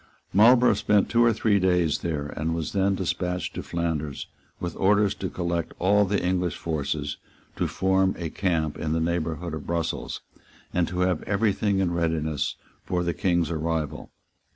Marlborough spent two or three days there, and was then despatched to Flanders with orders to collect all the English forces, to form a camp in the neighbourhood of Brussels, and to have every thing in readiness for the King's arrival.